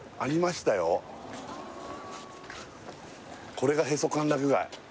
これがへそ歓楽街